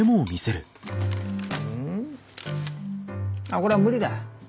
あっこりゃ無理だ。